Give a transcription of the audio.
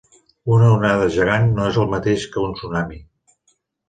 Una onada gegant no és el mateix que un tsunami.